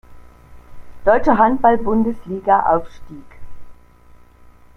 Deutsche Handball-Bundesliga aufstieg.